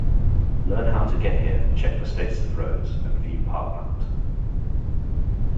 Learn how to get here, check the status of roads, and view park maps.